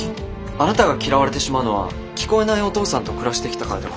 あなたが嫌われてしまうのは聞こえないお父さんと暮らしてきたからでは？